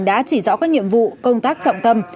đã chỉ rõ các nhiệm vụ công tác trọng tâm